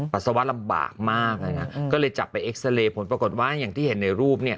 ปัสสาวะลำบากมากนะครับก็เลยจับไปผลปรากฏว่าอย่างที่เห็นในรูปเนี่ย